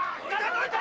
どいた！